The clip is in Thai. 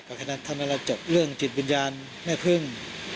ก็แค่นั้นแล้วจบเรื่องจิตวิญญาณแม่พึ่ง